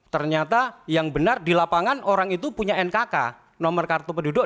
ternyata yang benar di lapangan orang itu punya nkk nomor kartu penduduk